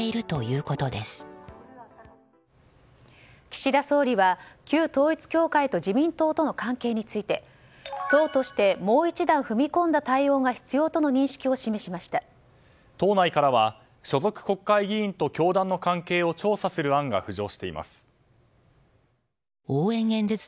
岸田総理は旧統一教会と自民党との関係について党としてもう一段踏み込んだ対応が必要との党内からは所属国会議員と教団の関係を調査する案が浮上しています。